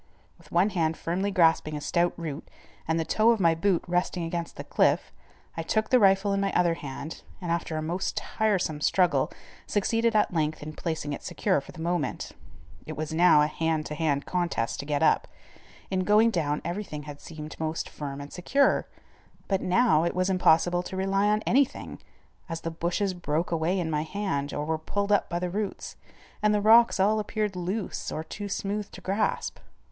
With one hand firmly grasping a stout root, and the toe of my boot resting against the cliff, I took the rifle in my other hand, and after a most tiresome struggle, succeeded at length in placing it secure for the moment. It was now a hand over hand contest to get up. In going down everything had seemed most firm and secure, but now it was impossible to rely on anything, as the bushes broke away in my hand or were pulled out by the roots, and the rocks all appeared loose or too smooth to grasp.